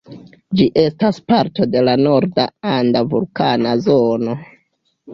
Ĝi estas parto de la Norda Anda Vulkana Zono.